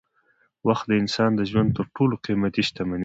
وخت د انسان د ژوند تر ټولو قېمتي شتمني ده.